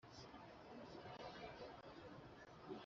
urakoze kubashimira cyane